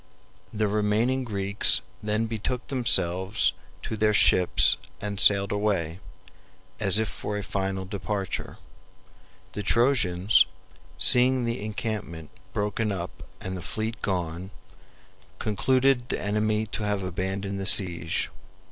The remaining Greeks then betook themselves to their ships and sailed away, as if for a final departure. The Trojans, seeing the encampment broken up and the fleet gone, concluded the enemy to have abandoned the siege.